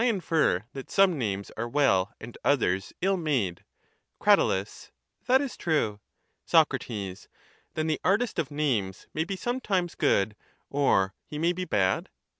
infer that some names are well and others ill made. Crat. That is true. Soc. Then the artist of names may be sometimes good, or he may be bad?